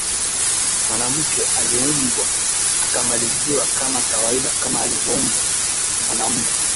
mwanamke aliumbwa akamaliziwa kama kawaida kama alivyoumbwa mwamume